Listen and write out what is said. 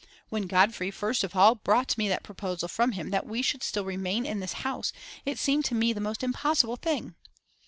When Godfrey first of all brought me that proposal from him that we should still remain in this house, it seemed to me the most impossible thing.